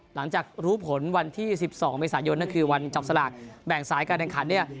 หลังจากรู้ผลวันที่๑๒เมษายนก็คือวันจับสลากแบ่งสายการแข่งขันเนี่ย